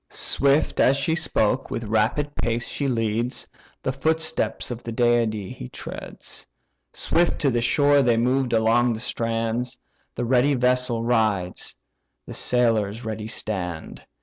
Swift as she spoke, with rapid pace she leads; The footsteps of the deity he treads. Swift to the shore they move along the strand; The ready vessel rides, the sailors ready stand.